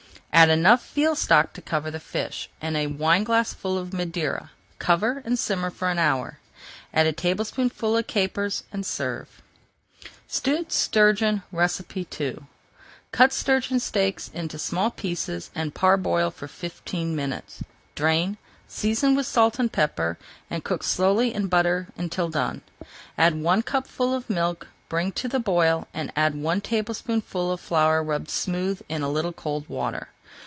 Add enough veal stock to cover the fish, and a wineglassful of Madeira; cover and simmer for an hour. Add a tablespoonful of capers and serve. STEWED STURGEON II Cut sturgeon steaks into small pieces and [Page 408] parboil for fifteen minutes. Drain, season with salt and pepper, and cook slowly in butter until done. Add one cupful of milk, bring to the boil, and add one tablespoonful of flour rubbed smooth in a little cold water.